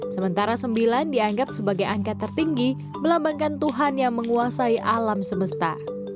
sementara sembilan dianggap sebagai angka tertinggi melambangkan tuhan yang menguasai alam semesta